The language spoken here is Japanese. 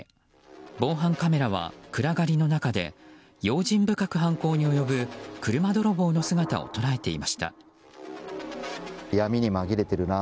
防犯カメラは暗がりの中で用心深く犯行に及ぶ車泥棒の姿を捉えていました。